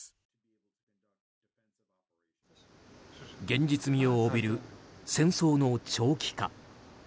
現実味を帯びる戦争の長期化。